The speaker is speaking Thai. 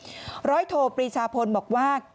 ร้อยโทปรีชาพลบอกว่า